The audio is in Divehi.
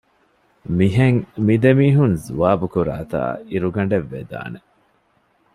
މިހެން މި ދެމީހުން ޒުވާބުކުރާތާ އިރުގަނޑެއް ވެދާނެ